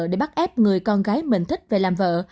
để bắt ép người con gái mình thích về làm vợ